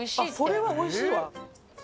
それはおいしいわ。